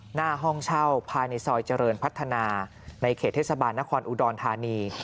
หน้าห้องเช่าภายในซอยเจริญพัฒนาในเขตเทศบาลนครอุดรธานี